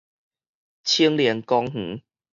青年公園